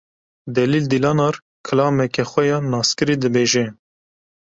Delil Dîlanar kilameke xwe ya naskirî dibêje.